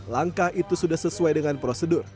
langkah itu sudah sesuai dengan prosedur